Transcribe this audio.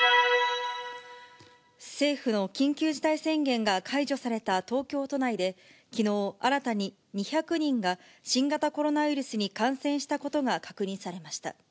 政府の緊急事態宣言が解除された東京都内で、きのう新たに２００人が新型コロナウイルスに感染したことが確認されました。